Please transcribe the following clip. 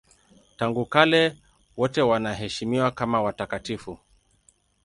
Tangu kale wote wanaheshimiwa kama watakatifu.